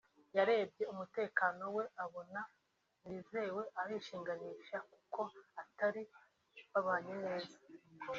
yarebye umutekano we abona ntiwizewe arishinganisha kuko batari babanye neza